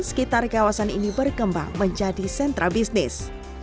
sekitar kawasan ini berkembang menjadi sentra bisnis